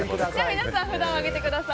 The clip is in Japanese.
皆さん、札を上げてください。